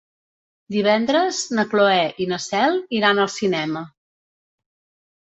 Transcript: Divendres na Cloè i na Cel iran al cinema.